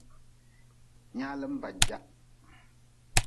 Nyaalm ba jah.